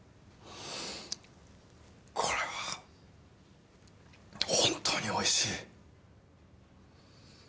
これは本当に美味しい。